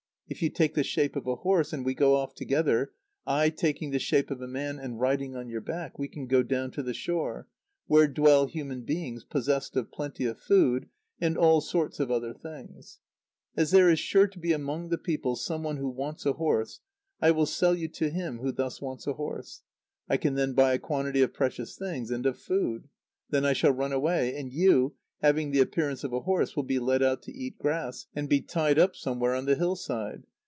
If you take the shape of a horse, and we go off together, I taking the shape of a man and riding on your back, we can go down to the shore, where dwell human beings possessed of plenty of food and all sorts of other things. As there is sure to be among the people some one who wants a horse, I will sell you to him who thus wants a horse. I can then buy a quantity of precious things and of food. Then I shall run away; and you, having the appearance of a horse, will be led out to eat grass, and be tied up somewhere on the hillside.